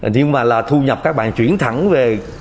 nhưng mà là thu nhập các bạn chuyển thẳng về